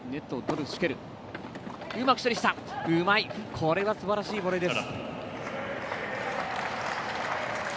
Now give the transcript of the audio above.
これはすばらしいボレーです。